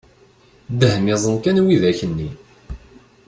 Dehmiẓen kan widak nni!